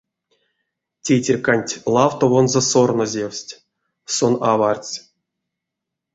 Тейтерьканть лавтовонзо сорнозевсть: сон авардсь.